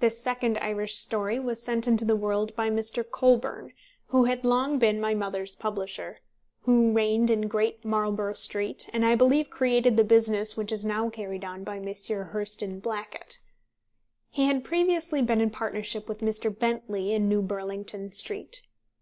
This second Irish story was sent into the world by Mr. Colburn, who had long been my mother's publisher, who reigned in Great Marlborough Street, and I believe created the business which is now carried on by Messrs. Hurst & Blackett. He had previously been in partnership with Mr. Bentley in New Burlington Street.